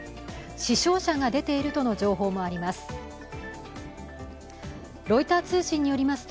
死傷者が出ているとの情報もあります。